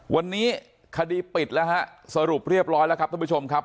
วันนี้คดีปิดแล้วฮะสรุปเรียบร้อยแล้วครับท่านผู้ชมครับ